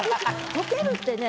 「熔ける」ってね